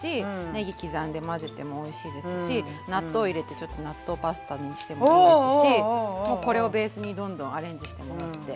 ねぎ刻んで混ぜてもおいしいですし納豆入れて納豆パスタにしてもいいですしもうこれをベースにどんどんアレンジしてもらって。